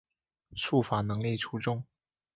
术法能力出众。